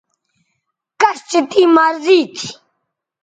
کش چہ تیں مرضی تھی